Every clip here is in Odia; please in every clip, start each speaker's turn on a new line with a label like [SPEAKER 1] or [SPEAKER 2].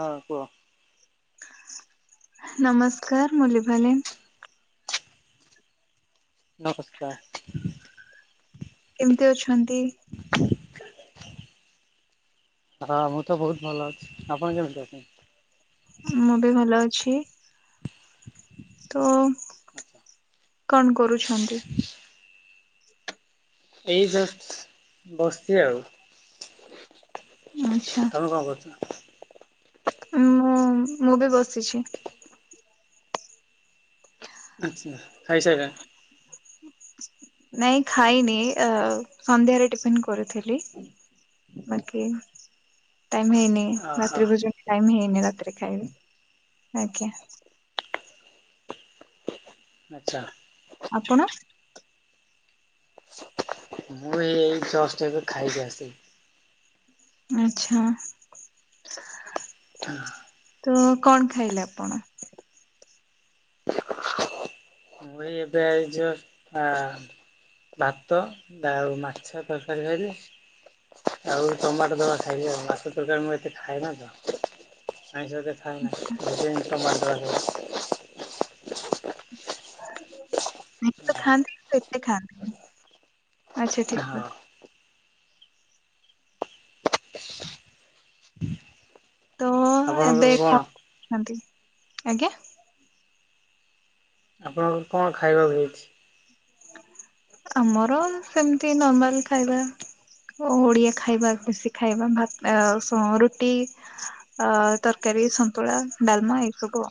[SPEAKER 1] ହଁ କୁହ,
[SPEAKER 2] ନମସ୍କାର ମୁଁ ଲିଭାଲିନ୍।
[SPEAKER 1] ନମସ୍କାର,
[SPEAKER 2] କେମିତି ଅଛନ୍ତି?
[SPEAKER 1] [inaudible] ହଁ ମୁଁ ତ ବହୁତ ଭଲ ଅଛି, ଆପଣ କେମିତି ଅଛନ୍ତି?
[SPEAKER 2] ମୁଁ ବି ଭଲ ଅଛି। ତ
[SPEAKER 1] ଆଚ୍ଛା।
[SPEAKER 2] କଣ କରୁଛନ୍ତି?
[SPEAKER 1] ଏଇ ଜଷ୍ଟ ବସିଛି ଆଉ।
[SPEAKER 2] ଆଚ୍ଛା
[SPEAKER 1] ତମେ କଣ କରୁଛ?
[SPEAKER 2] ମୁଁ ମୁଁ ବି ବସିଛି।
[SPEAKER 1] ଆଚ୍ଛା ଖାଇସାଇଲଣି?
[SPEAKER 2] ନାଇଁ ଖାଇନି ଅ ସନ୍ଧ୍ୟାରେ ଟିଫନ୍ କରିଥିଲି। ବାକି ଟାଇମ ହେଇନି।
[SPEAKER 1] ଓହୋ
[SPEAKER 2] ରାତ୍ରି ଭୋଜନ ଟାଇମ ହେଇନି ରାତିରେ ଖାଇବି, ଆଜ୍ଞା।
[SPEAKER 1] ଆଛା।
[SPEAKER 2] ଆପଣ?
[SPEAKER 1] ମୁ ଏ ଏଇ ଜଷ୍ଟ ଏବେ ଖାଇକି ଆସିଲୁ।
[SPEAKER 2] ଆଛା, ତ କଣ ଖାଇଲେ ଆପଣ?
[SPEAKER 1] ଏ ଏବେ ଆଇ ଜଷ୍ଟ ଆ। ଭାତ, ଡାଉ ମାଛ ତରକାରୀ ଖାଇଲି। ଆଉ ଟମାଟୋ ଦଳା ଖାଇ ଆଉ ବାସ ତରକାରୀ ମୁଁ ଏତେ ଖାଏ ନା ତ। ଆଇଂଶ ଏତେ ଖାଏନା। [unintelligible]
[SPEAKER 2] [inaudible] ତ
[SPEAKER 1] ଖାଇଲି
[SPEAKER 2] ଖାଆନ୍ତିନି ତ ଏତେ ଖାଆନ୍ତିନି ଆଚ୍ଛା ଠିକ ଅ
[SPEAKER 1] ହଁ
[SPEAKER 2] ତ ଏବେ କଣ କରୁଛନ୍ତି ଆଜ୍ଞା?
[SPEAKER 1] ଆପଣଙ୍କ କ ଣ ଖାଇବାକୁ ମିଳିଛି?
[SPEAKER 2] ଆମର ସେମିତି ନର୍ମାଲ ଖାଇବା। ଓ ଓଡିଆ ଖାଇବା ବେଶୀ ଖାଇବା ଭାତ ଅ ଓ ରୁଟି। ଅ ତରକାରୀ, ସନ୍ତୁଳା, ଡାଲମା ଏଇ ସବୁ।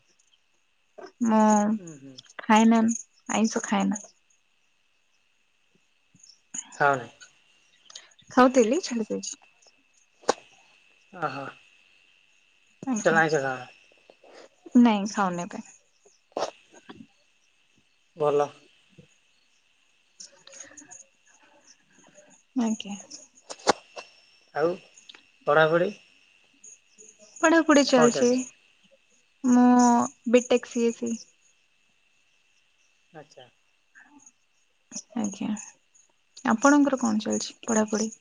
[SPEAKER 2] ମୁଁ।
[SPEAKER 1] ଉଁ ହୁଁ।
[SPEAKER 2] ହାଏ ମ୍ୟାମ୍ ଆଇଁଷ ଖାଏନା।
[SPEAKER 1] ଖାଅନି।
[SPEAKER 2] ଖାଉଥିଲି ଛାଡିଦେଇଛି।
[SPEAKER 1] ଓ ହ।
[SPEAKER 2] ଆଜ୍ଞା ନାଇ ଖାଉନି ଏବେ।
[SPEAKER 1] ଭଲ।
[SPEAKER 2] [inaudible] ଆଜ୍ଞା।
[SPEAKER 1] ଆଉ ପଢ଼ାପଢ଼ି?
[SPEAKER 2] ପଢ଼ା ପଢି ଚାଲିଛି ମୁଁ ବିଟେକ୍ ସିଏ ବି।
[SPEAKER 1] ଆଛା।
[SPEAKER 2] ଆଜ୍ଞା ଆପଣଙ୍କର କଣ ଚାଲିଛି ପଢାପଢି।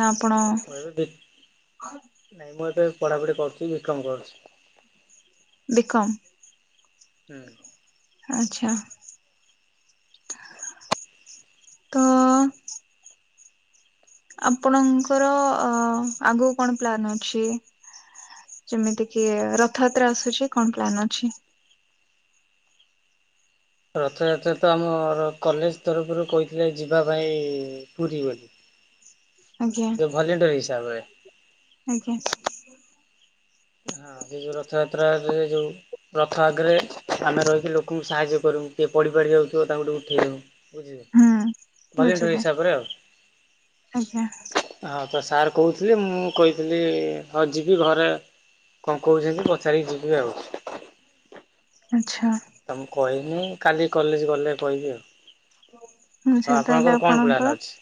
[SPEAKER 2] ନା ଆପଣ
[SPEAKER 1] ମୁଁ ଏବେ ନାଇଁ ମୁଁ ଏବେ ପଢ଼ାପଢ଼ି କରୁଛି ବିକମ୍ କରୁଛି।
[SPEAKER 2] ବିକମ୍।
[SPEAKER 1] ହୁଁ।
[SPEAKER 2] ଆଛା ତ ଆପଣଙ୍କର ଅ ଆଗକୁ କଣ ପ୍ଲାନ୍ ଅଛି? ଯେମିତି କି ରଥଯାତ୍ରା ଆସୁଛି କଣ ପ୍ଲାନ୍ ଅଛି।
[SPEAKER 1] ରଥଯାତ୍ରା ରେ ତ ଆମ କଲେଜ ତରଫରୁ କହିଥିଲେ ଯିବା ପାଇଁ ପୁରୀ ବୋଲି।
[SPEAKER 2] ଆଜ୍ଞା।
[SPEAKER 1] ଭଲେଣ୍ଟର ହିସାବରେ।
[SPEAKER 2] ଆଜ୍ଞା।
[SPEAKER 1] ହଁ ସେ ଯୋଉ ରଥଯାତ୍ରାରେ ଯୋଉ ରଥ ଆଗରେ ଆମେ ରହିକି ଲୋକଙ୍କୁ ସାହାଯ୍ୟ କରିବୁ। କିଏ ପଡି ପାଡି ଯାଉଥିବ ତାଙ୍କୁ ଟିକେ ଉଠେଇବୁ। ବୁଝିଲେ
[SPEAKER 2] ହୁଁ
[SPEAKER 1] ଭଲେଣ୍ଟିଅର
[SPEAKER 2] ବୁଝିଲେ
[SPEAKER 1] ହିସାବରେ
[SPEAKER 2] ଆଜ୍ଞା
[SPEAKER 1] ଆଉ। ହଁ ତ ସାର୍ କହୁଥିଲି ମୁଁ କହିଥିଲି ହଉ ଯିବି ଘରେ। କଣ କହୁଛନ୍ତି ପଚାରିକି ଯିବି ଆଉ।
[SPEAKER 2] ଆଚ୍ଛା।
[SPEAKER 1] ତ ମୁଁ କହିନି କାଲି କଲେଜ ଗଲେ କହିବି ଆଉ। ତ
[SPEAKER 2] ଆଚ୍ଛା ତାହେଲେ
[SPEAKER 1] ଆପଣଙ୍କର କଣ ପ୍ଲାନ ଅଛି।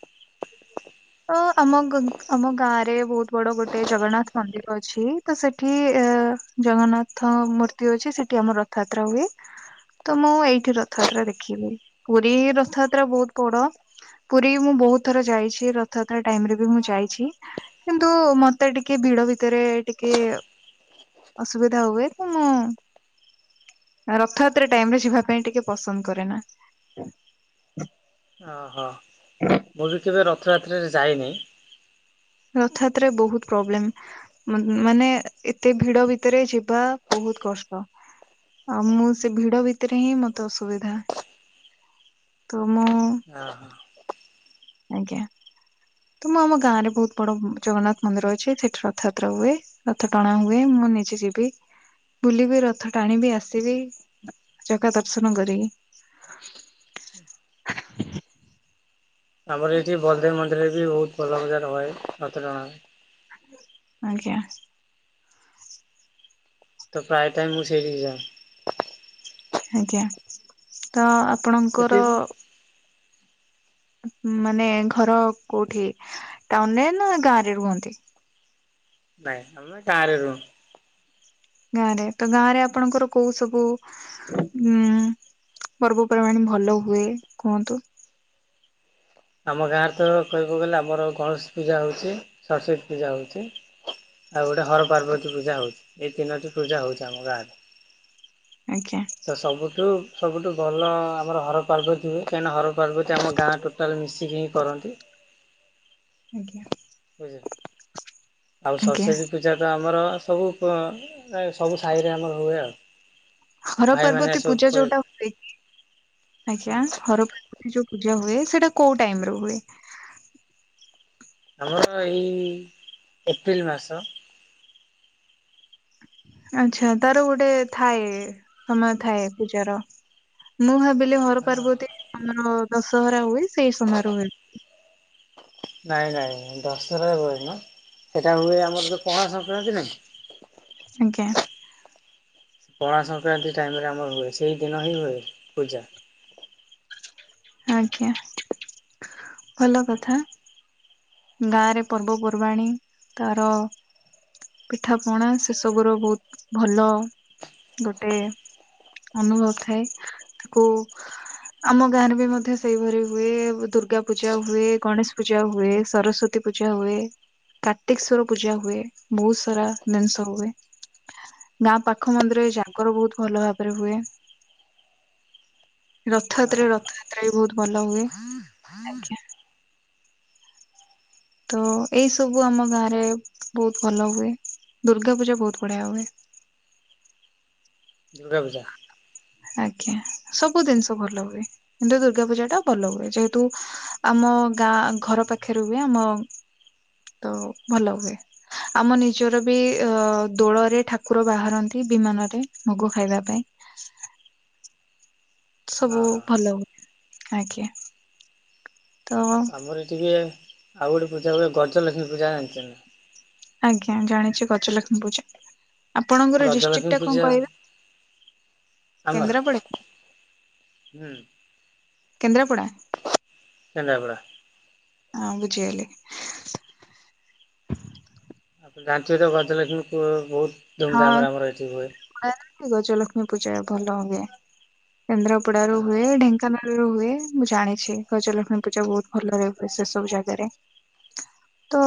[SPEAKER 2] ଅ ଆମ ଗ ଆମ ଗାଁ ରେ ବହୁତ ବଡ ଗୋଟେ ଜଗନ୍ନାଥ ମନ୍ଦିର ଅଛି। ତ ସେଠି ଏ ଜଗନ୍ନାଥ ମୂର୍ତ୍ତି ଅଛି ସେଠି ଆମର ରଥଯାତ୍ରା ହୁଏ। ତ ମୁଁ ଏଇଠି ରଥଯାତ୍ରା ଦେଖିବି ପୁରୀ ରଥଯାତ୍ରା ବହୁତ ବଡ। ପୁରୀ ମୁଁ ବହୁତ ଥର ଯାଇଛି ର ରଥଯାତ୍ରା ଟାଇମ ରେ ବି ମୁଁ ଯାଇଛି କିନ୍ତୁ ମତେ ଟିକେ ଭିଡ ଭିତରେ ଟିକେ। ଅସୁବିଧା ହୁଏ ତ ମୁ। ରଥଯାତ୍ରା ଟାଇମ ରେ ଯିବା ପାଇଁ ଟିକେ ପସନ୍ଦ କରେନା।
[SPEAKER 1] ଅ ହ ମୁଁ ବି କେବେ ରଥଯାତ୍ରରେ ଯାଇନି।
[SPEAKER 2] ରଥଯାତ୍ରରେ ବହୁତ ପ୍ରୋବ୍ଲେମ। ମ ମାନେ ଏତେ ଭିଡ ଭିତରେ ଯିବା ବହୁତ କଷ୍ଟ। ଆଉ ମୁଁ ସେ ଭିଡ ଭିତରେ ହିଁ ମତେ ଅସୁବିଧା। ତୁ ମୁଁ।
[SPEAKER 1] ଆ ହ।
[SPEAKER 2] ଆଜ୍ଞା ତ ମୁ ଆମ ଗାଁ ରେ ବହୁତ ବଡ ଜଗନ୍ନାଥ ମନ୍ଦିର ଅଛି ସେଠି ରଥଯାତ୍ରା ହୁଏ। ରଥ ଟଣା ହୁଏ ମୁଁ ନିଜେ ଯିବି ବୁଲିବି ରଥ ଟାଣିବି ଆସିବି‌। ଜାଗା ଦର୍ଶନ କରିକି।
[SPEAKER 1] ଆମର ଏଇଠି ବଲଦେବି ମନ୍ଦିର ରେ ବି ବହୁତ ଭଲ ମଜାର ହୁଏ ରଥ ଟଣା।
[SPEAKER 2] ଆଜ୍ଞା।
[SPEAKER 1] ତ ପ୍ରାୟ ଟାଇମ୍ ମୁଁ ସେଇଠି କି ଯାଏ।
[SPEAKER 2] ଆଜ୍ଞା ତ
[SPEAKER 1] ସେଠି
[SPEAKER 2] ଆପଣଙ୍କର‌।
[SPEAKER 1] ବି
[SPEAKER 2] ମାନେ ଘର କୋଉଠି ଟାଉନ ରେ ନା ଗାଁ ରେ ରୁହନ୍ତି।
[SPEAKER 1] ନାଇଁ ଆମେ ଗାଁରେ ରୋହୁ।
[SPEAKER 2] ଗାଁ ରେ ତ ଗାଁ ରେ ଆପଣଙ୍କର କୋଉ ସବୁ। ଉଁ ପର୍ବପର୍ବାଣି ଭଲ ହୁଏ କୁହନ୍ତୁ।
[SPEAKER 1] ଆମ ଗାଁରେ ତ କହିବାକୁ ଗଲେ ଆମର ଗଣେଶ ପୂଜା ହଉଛି ସରସ୍ଵତୀ ପୂଜା ହଉଛି। ଆଉ ଗୋଟେ ହର ପାର୍ବତୀ ପୂଜା ହଉଛି ଏଇ ତିନୋଟି ପୂଜା ହଉଛି ଆମ ଗାଁରେ।
[SPEAKER 2] ଆଜ୍ଞା।
[SPEAKER 1] ତ ସବୁଠୁ ସବୁଠୁ ଭଲ ଆମର ହର ପାର୍ବତୀ ହୁଏ କାହିଁକି ନା ହର ପାର୍ବତୀ ଆମ ଗାଁଠୁ। ଟୋଟାଲ ମିଶିକି ହିଁ କରନ୍ତି।
[SPEAKER 2] ଆଜ୍ଞା।
[SPEAKER 1] ବୁଝିଲେ ଆଉ
[SPEAKER 2] ଆଜ୍ଞା
[SPEAKER 1] ସରସ୍ଵତୀ ପୂଜା ତ ଆମର ସବୁ ପ ଏ ସବୁ ସାହିରେ ଆମର ହୁଏ ଆଉ।
[SPEAKER 2] ହର
[SPEAKER 1] ଭାଇମାନେ
[SPEAKER 2] ପାର୍ବତୀ ପୂଜା
[SPEAKER 1] ସବୁ
[SPEAKER 2] ଯୋଉଟା ହୁଏ କି ଆଜ୍ଞା। ହର ପାର୍ବତି ଯୋଉ ପୂଜା ହୁଏ ସେଇଟା କୋଉ ଟାଇମରେ ହୁଏ?
[SPEAKER 1] ଆମର ଏଇ ଏପ୍ରିଲ ମାସ।
[SPEAKER 2] ଆଚ୍ଛା ତାର ଗୋଟେ ଥାଏ ସମୟ ଥାଏ ପୂଜାର। ମୁଁ ଭାବିଲି ହର
[SPEAKER 1] ହଁ
[SPEAKER 2] ପାର୍ବତୀ ଆମର ଦଶହରା ହୁଏ ସେଇ ସମୟରୁ ହୁଏ।
[SPEAKER 1] [inaudible] ନାଇଁ ନାଇଁ ଦଶହରା ରେ ହୁଏନି ମା ସେଇଟା ହୁଏ ଆମର ଯୋଉ ପଣାସଂକ୍ରାନ୍ତି ନାହିଁ
[SPEAKER 2] ଆଜ୍ଞା।
[SPEAKER 1] ପଣାସଂକ୍ରାନ୍ତି ଟାଇମ ରେ ଆମର ହୁଏ ସେଇ ଦିନ ହି ହୁଏ ପୂଜା।
[SPEAKER 2] ଆଜ୍ଞା ଭଲ କଥା। ଗାଁରେ ପର୍ବପର୍ବାଣୀ ତାର ପିଠା ପଣା ସେସବୁ ର ବୋହୁତ ଭଲ ଗୋଟେ ଅନୁଭବ ଥାଏ ତାକୁ ଆମ ଗାଁରେ ବି ମଧ୍ୟ ସେଇଭରି ହୁଏ ଉ ଦୁର୍ଗା ପୂଜା ହୁଏ ଗଣେଶ ପୂଜା ହୁଏ। ସରସ୍ଵତୀ ପୂଜା ହୁଏ। କାର୍ତ୍ତିକେଶ୍ଵର ପୂଜା ହୁଏ ବୋହୁତ ସାରା ଦିନିସ ହୁଏ। ଗାଁ ପାଖ ମନ୍ଦିର ରେ ଜାଗର ବୋହୁତ ଭଲ ଭାବରେ ହୁଏ। ରଥଯାତ୍ରା ରେ
[SPEAKER 1] ଓହୋ
[SPEAKER 2] ରଥଯାତ୍ରା ବି ବୋହୁତ ଭଲ ହୁଏ ଆଜ୍ଞା। ତ ଏଇ ସବୁ ଆମ ଗାଁ ରେ ବୋହୁତ ଭଲ ହୁଏ ଦୁର୍ଗା ପୂଜା ବୋହୁତ ବଢ଼ିଆ ହୁଏ।
[SPEAKER 1] ଦୁର୍ଗା ପୂଜା?
[SPEAKER 2] ଆଜ୍ଞା ସବୁ ଦିନିଷ ଭଲ ହୁଏ। କିନ୍ତୁ ଦୁର୍ଗା ପୂଜା ଟା ଭଲ ହୁଏ ଯେହେତୁ ଆମ ଗାଁ ଘର ପାଖରେ ହୁଏ ଆମ ତ ଭଲ ହୁଏ। ଆମ ନିଜର ବି ଅ ଦୋଳରେ ଠାକୁର ବାହାରନ୍ତି ବିମାନରେ ଭୋଗ ଖାଇବା ପାଇଁ। ସବୁ
[SPEAKER 1] ଓହୋ
[SPEAKER 2] ଭଲ ହୁଏ ଆଜ୍ଞା। ତ
[SPEAKER 1] ଆମର ଏଠିହୁଏ ଆଉ ଗୋଟେ ପୂଜା ହୁଏ ଗଜଲକ୍ଷ୍ମୀ ପୂଜା ଜାଣିଛନ୍ତି?
[SPEAKER 2] ଆଜ୍ଞା ଜାଣିଛି ଗଜ ଲକ୍ଷ୍ମୀ ପୂଜା
[SPEAKER 1] ନା
[SPEAKER 2] ଆପଣଙ୍କର
[SPEAKER 1] ଗଜଲକ୍ଷ୍ମୀ
[SPEAKER 2] ଡିଷ୍ଟ୍ରିକ୍ଟ ଟା କଣ
[SPEAKER 1] ପୂଜା
[SPEAKER 2] କହିବେ?
[SPEAKER 1] ଆମର
[SPEAKER 2] କେନ୍ଦ୍ରାପଡ଼ା?
[SPEAKER 1] ହୁଁ
[SPEAKER 2] କେନ୍ଦ୍ରାପଡ଼ା?
[SPEAKER 1] କେନ୍ଦ୍ରାପଡ଼ା।
[SPEAKER 2] ଅଁ ବୁଝିଗଲି।
[SPEAKER 1] ଆପଣ ଜାଣିଥିବେ ତ ଗଜଲକ୍ଷ୍ମୀ ପୁ ବୋହୁତ ଧୁମ୍
[SPEAKER 2] ହଁ
[SPEAKER 1] ଧାମ୍ ରେ ହୁଏ।
[SPEAKER 2] [unintelligible] ଗଜଲକ୍ଷ୍ମୀ ପୂଜା ଭଲ ହୁଏ କେନ୍ଦ୍ରାପଡ଼ାରୁ ହୁଏ
[SPEAKER 1] ହଁ
[SPEAKER 2] ଢେଙ୍କ କାନାଳରେ ହୁଏ ମୁଁ ଜାଣିଛି ଗଜଲକ୍ଷ୍ମୀ ପୂଜା ବୋହୁତ ଭଲରେ ହୁଏ ସେ ସବୁ ଜାଗାରେ। ତ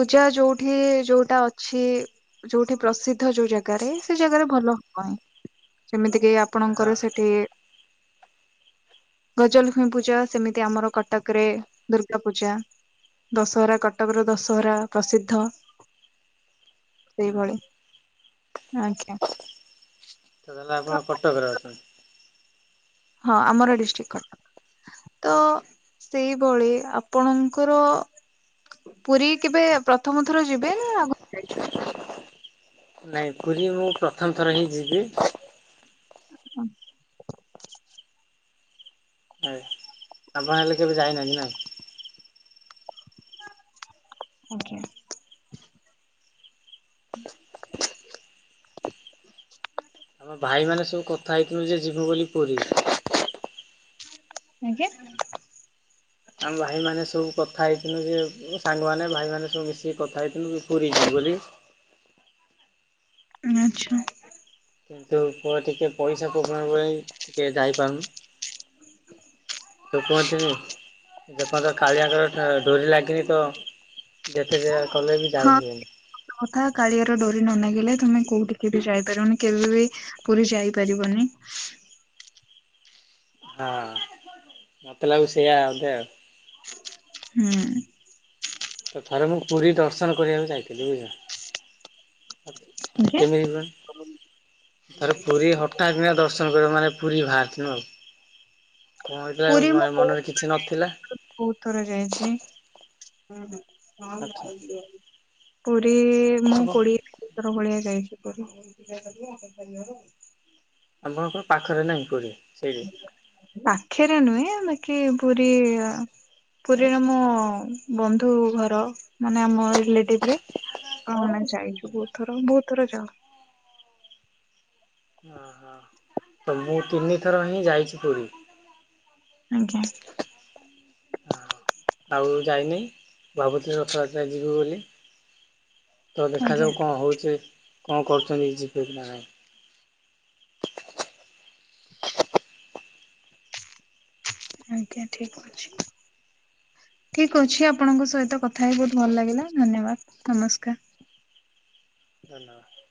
[SPEAKER 2] ପୂଜା ଯୋଉଠି ଯୋଉଟା ଅଛି ଯୋଉଠି ପ୍ରସିଦ୍ଧ ଯୋଉ ଜାଗାରେ ସେ ଜାଗାରେ ଭଲ ହବ ହିଁ ଯେମିତି କି ଆ
[SPEAKER 1] ହଁ
[SPEAKER 2] ପଣଙ୍କର ସେଠି
[SPEAKER 1] [inaudible]
[SPEAKER 2] ଗଜଲକ୍ଷ୍ମୀ ପୂଜା ସେମିତି ଆମର କଟକରେ ଦୁର୍ଗା ପୂଜା। ଦଶହରା କଟକର ଦଶହରା ପ୍ରସିଦ୍ଧ।
[SPEAKER 1] ହୁଁ
[SPEAKER 2] ସେଇଭଳି ଆଜ୍ଞା।
[SPEAKER 1] ତ ତାହେଲେ ଆପଣ କଟକରେ ଅଛନ୍ତି?
[SPEAKER 2] ହଁ ଆମର ଡିଷ୍ଟ୍ରିକ୍ଟ କଟକ। ତ ସେଇଭଳି ଆପଣଙ୍କର ପୁରୀ କେବେ ପ୍ରଥମ ଥର ଯିବେ ନା ଆଗରୁ ଯାଇଛନ୍ତି?
[SPEAKER 1] ନାଇଁ ପୁରୀ ମୁଁ ପ୍ରଥମ ଥର ହିଁ ଯିବି।
[SPEAKER 2] ହୁଁ।
[SPEAKER 1] ଆପଣ ହେଲେ କେବେ ଯାଇନାହାନ୍ତି ନାଁ?
[SPEAKER 2] ଅଜ୍ଞା। ହଁ [inaudible]
[SPEAKER 1] ଆମ ଭାଇ ମାନେ ସବୁ କଥା ହେଇଥିଲୁ ଯେ ଯିବୁ ବୋଲି ପୁରୀ।
[SPEAKER 2] ଆଜ୍ଞା?
[SPEAKER 1] ଆମ ଭାଇମାନେ ସବୁ କଥା ହେଇଥିଲୁ ଯେ ସାଙ୍ଗମାନେ ଭାଇମାନେ ସବୁ ମିଶିକି କଥା ହେଇଥିଲୁ କି ପୁରୀ ଯିବୁ ବୋଲି।
[SPEAKER 2] ଆଚ୍ଛା।
[SPEAKER 1] କିନ୍ତୁ ପ ଟିକେ ପଇସା ପ୍ରୋବ୍ଲେମ ପାଇଁ ଟିକେ ଯାଇପାରୁନୁ। ଯୋଉ କୁହନ୍ତିନି। ଯେପର୍ଯ୍ୟନ୍ତ କାଳିଆର ତ ଡୋରି ଲାଗିନି ତ ଯେତେ ଯିଏ କଲେ ବି ଯାାଇ
[SPEAKER 2] ହଁ
[SPEAKER 1] ହୁଏନି।
[SPEAKER 2] କଥା କାଳିଆର ଡୋରି ନ ଲାଗିଲେ ତମେ କୋଉଠିକି ବି ଯାଇପାରିବନି କେବେ ବି ପୁରୀ ଯାଇପାରିବନି।
[SPEAKER 1] ହଁ ମତେ ଲାଗୁଚି ସେଇଆ ବୋଧେ।
[SPEAKER 2] ହୁଁ।
[SPEAKER 1] ତ ଥରେ ମୁଁ ପୁରୀ ଦର୍ଶନ କରିବାକୁ ଯାଇଥିଲି ବୁଝିଲ। ମାନେ
[SPEAKER 2] ଆଜ୍ଞା
[SPEAKER 1] କେମିିତି କହିଲ ଥରେ ପୁରୀ ହଠାତକିନା ଦର୍ଶନ କରିବା ମାନେ ପୁରୀ ବାହାରିଥିଲୁ ଆଉ କଣ
[SPEAKER 2] ପୁରୀ
[SPEAKER 1] ହେଇଥିଲା
[SPEAKER 2] ମୁଁ
[SPEAKER 1] ମନରେ କିଛି ନଥିଲା।
[SPEAKER 2] ବହୁତ ଥର ଯାଇଛି।
[SPEAKER 1] ଆଚ୍ଛା
[SPEAKER 2] ପୁରୀ ମୁଁ
[SPEAKER 1] ହବ
[SPEAKER 2] କୋଡିଏ ପତର ଭଳିଆ ଯାଇଚି ପୁରୀ।
[SPEAKER 1] ଆପଣଙ୍କର ପାଖରେ ନାହିଁ ପୁରୀ ସେଇଠି।
[SPEAKER 2] ପାଖରେ ନୁହେଁ ବାକି ପୁରୀ ପୁରୀରେ ମୋ ବନ୍ଧୁ ଘର। ମାନେ ଆମ ରିଲେଟିଭରେ। ହଁ ନା ଯାଇଚୁ ବହୁତ ଥର ବହୁତ ଥର ଯାଉ।
[SPEAKER 1] ଓହୋ ତ ମୁଁ ତିନିଥର ହିଁ ଯାଇଚି ପୁରୀ।
[SPEAKER 2] ଆଜ୍ଞା।
[SPEAKER 1] ହଁ ଆଉ ଯାଇନି ଭାବୁଥିଲି ରଥଯାତ୍ରା ଯିବୁ ବୋଲି। ତ
[SPEAKER 2] ଆଜ୍ଞା
[SPEAKER 1] ଦେଖାଯାଉ କଣ ହଉଚି କଣ କରୁଚନ୍ତି ଯିବେ କି ନାହିଁ।
[SPEAKER 2] ଆଜ୍ଞା ଠିକ ଅଛି। ଠିକ୍ ଅଛି ଆପଣଙ୍କ ସହିତ କଥା ହେଇ ବହୁତ ଭଲ ଲାଗିଲା ଧନ୍ୟବାଦ ନମସ୍କାର।
[SPEAKER 1] ଧନ୍ୟବାଦ।